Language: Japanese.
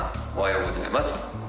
おはようございます